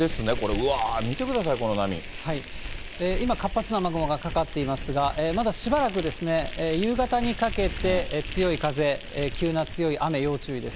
うわー、見てください、今、活発な雨雲がかかっていますが、まだしばらく、夕方にかけて強い風、急な強い雨、要注意です。